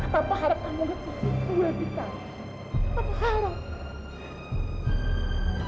bapak harap kamu gak ketinggalan bu epika